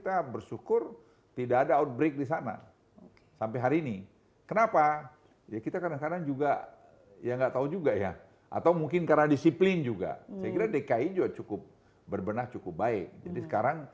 ada siapa lagi tadi semua